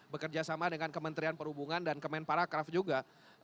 bekerja sama dengan kementerian perhubungan dan kemen paragraf juga